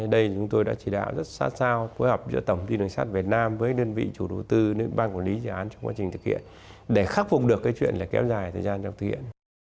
đây chúng tôi đã chỉ đạo rất sát sao phối hợp giữa tổng ty đường sát việt nam với đơn vị chủ đầu tư ban quản lý dự án trong quá trình thực hiện để khắc phục được cái chuyện là kéo dài thời gian trong thực hiện